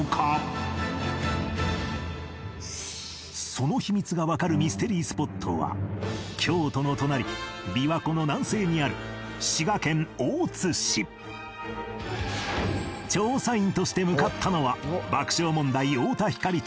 その秘密がわかるミステリースポットは京都の隣琵琶湖の南西にある調査員として向かったのは